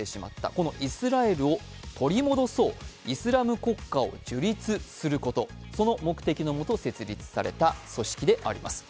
このイスラエルを取り戻そう、イスラム国家を樹立すること、その目的のもと設立された組織であります。